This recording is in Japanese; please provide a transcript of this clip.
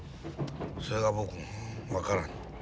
それが僕も分からん。